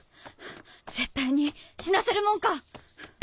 絶対に死なせるもんか！